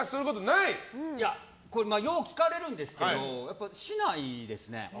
よう聞かれるんですけどやっぱりしないですね。